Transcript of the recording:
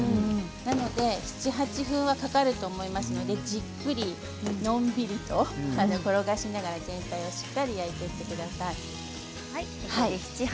なので、７、８分はかかると思いますのでじっくりのんびりと転がしながら全体をしっかりと焼いてください。